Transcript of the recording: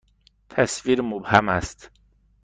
تصویر مبهم است.